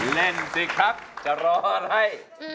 เล่นสิครับจะรออะไร